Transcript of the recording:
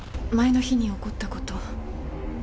前の日に怒ったこと。